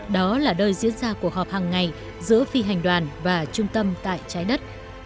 đó là đời diễn ra của họp hàng ngày giữa phi hành đoàn và trung tâm tại trái đất